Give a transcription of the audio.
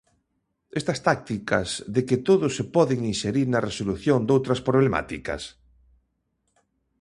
Estas tácticas, de que modos se poden inserir na resolución doutras problemáticas?